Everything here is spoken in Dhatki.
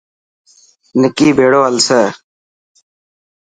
نڪي ڀيڙو هلسي.